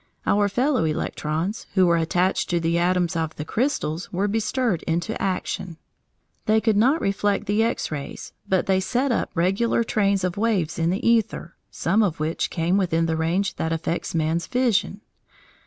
Our fellow electrons, who were attached to the atoms of the crystals, were bestirred into action. They could not reflect the X rays, but they set up regular trains of waves in the æther, some of which came within the range that affects man's vision.